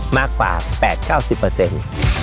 มากกว่าแปดเก้าสิบเปอร์เซ็นต์